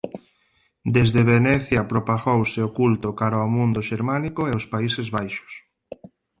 Desde Venecia propagouse o culto cara ao mundo xermánico e os Países Baixos.